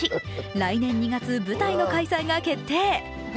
来年２月、舞台の開催が決定。